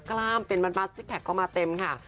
กล้ามเป็นสิดก่อนมาเต็มค่ะ